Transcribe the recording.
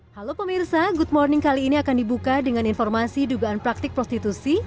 halo pemirsa good morning kali ini akan dibuka dengan informasi dugaan praktik prostitusi